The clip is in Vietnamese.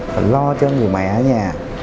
phải lo cho người mẹ ở nhà